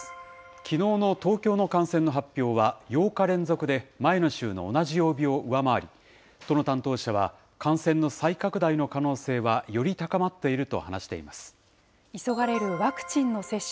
きのうの東京の感染の発表は、８日連続で前の週の同じ曜日を上回り、都の担当者は感染の再拡大の可能性はより高まっていると話してい急がれるワクチンの接種。